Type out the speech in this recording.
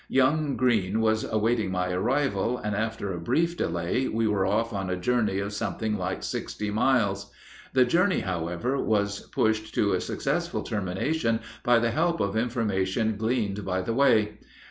Young Green was awaiting my arrival, and after a brief delay we were off on a journey of something like sixty miles; the journey, however, was pushed to a successful termination by the help of information gleaned by the way.